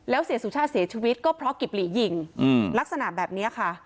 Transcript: แล้วเสียสุชาติเสียชีวิตก็เพราะกิบหลียิงลักษณะแบบนี้ค่ะ